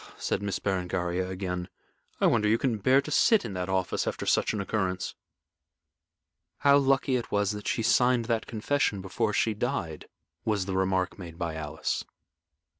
said Miss Berengaria, again. "I wonder you can bear to sit in that office after such an occurrence." "How lucky it was that she signed that confession before she died," was the remark made by Alice.